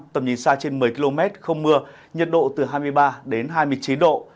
tầm nhìn xa trên một mươi km không mưa nhiệt độ từ hai mươi ba đến hai mươi chín độ